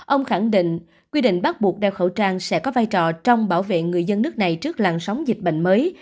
ông khẳng định quy định bắt buộc đeo khẩu trang sẽ có vai trò trong bảo vệ người dân nước này trước làn sóng dịch bệnh mới